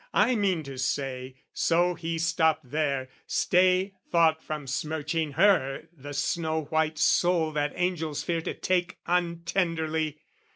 I mean to say, So he stop there, stay thought from smirching her The snow white soul that angels fear to take Untenderly.